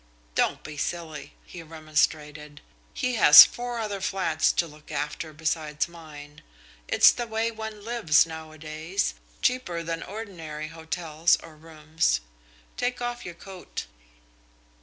"Don't be silly," he remonstrated. "He has four other flats to look after besides mine. It's the way one lives, nowadays, cheaper than ordinary hotels or rooms. Take off your coat."